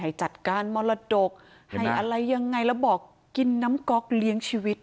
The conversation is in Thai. ให้จัดการมรดกให้อะไรยังไงแล้วบอกกินน้ำก๊อกเลี้ยงชีวิต